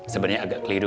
sebenarnya agak keliru